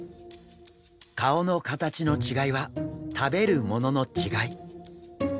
顔の形の違いは食べるものの違い。